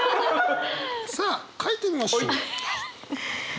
さあ書いてみましょう。